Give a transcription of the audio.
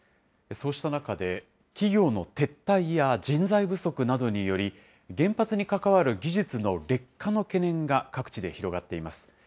そうした中で、企業の撤退や人材不足などにより、原発に関わる技術の劣化の懸念が各地で広がっています。